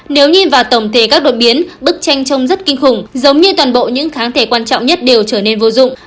nếu nhìn vào tổng thể các đột biến bức tranh trông rất kinh khủng giống như toàn bộ những kháng thể quan trọng nhất đều trở nên vô dụng